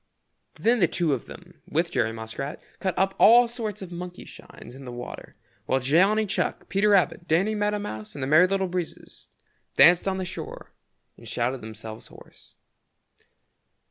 Then the two of them, with Jerry Muskrat, cut up all sorts of monkey shines in the water, while Johnny Chuck, Peter Rabbit, Danny Meadow Mouse and the Merry Little Breezes danced on the shore and shouted themselves hoarse.